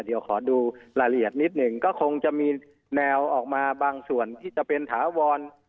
เดี๋ยวขอดูรายละเอียดนิดหนึ่งก็คงจะมีแนวออกมาบางส่วนที่จะเป็นถาวร